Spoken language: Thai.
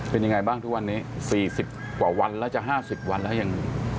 เป็นยังไงบ้างทุกวันนี้๔๐กว่าวันแล้วจะ๕๐วันแล้วยัง